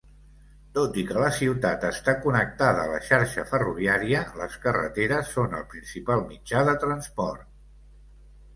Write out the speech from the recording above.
Tot i que la ciutat està connectada a la xarxa ferroviària, les carreteres són el principal mitjà de transport.